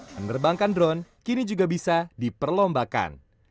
menerbangkan drone kini juga bisa diperlombakan